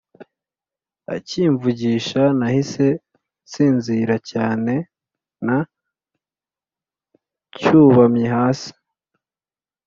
Akimvugisha nahise nsinzira cyane ncyubamye hasi